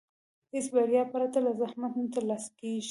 هېڅ بریا پرته له زحمت نه ترلاسه کېږي.